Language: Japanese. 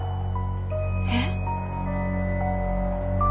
えっ？